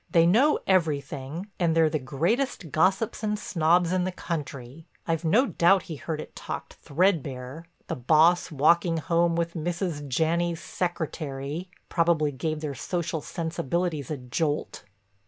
They know everything, and they're the greatest gossips and snobs in the country. I've no doubt he heard it talked threadbare—the boss walking home with Mrs. Janney's secretary. Probably gave their social sensibilities a jolt."